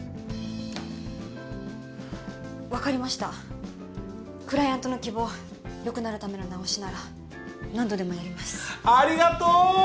分かりましたクライアントの希望よくなるための直しなら何度でもやりますありがとー！